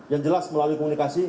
yang jelas melalui komunikasi